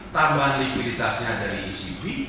tambahan likuiditasnya dari ecb